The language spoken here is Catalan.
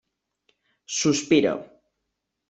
Sospira.